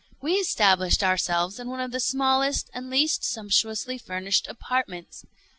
We established ourselves in one of the smallest and least sumptuously furnished apartments.